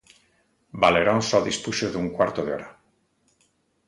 Valerón só dispuxo dun cuarto de hora.